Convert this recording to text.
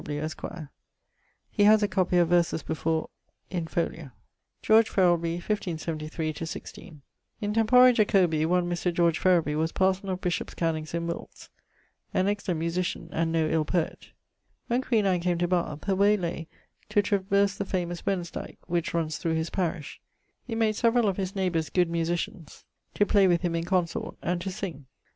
W. esq. He haz a copie of verses before ... in folio. =George Feriby= (1573 16..). In tempore Jacobi one Mr. George Ferraby was parson of Bishops Cannings in Wilts: an excellent musitian, and no ill poet. When queen Anne came to Bathe, her way lay to traverse the famous Wensdyke, which runnes through his parish. He made severall of his neighbours good musitians, to play with him in consort, and to sing.